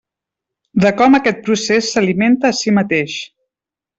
De com aquest procés s'alimenta a si mateix.